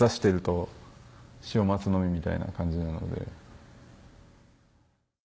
みたいな感じなので。